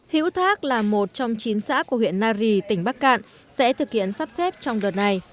hữu thác là một trong chín xã của huyện nari tỉnh bắc cạn sẽ thực hiện sắp xếp trong đợt này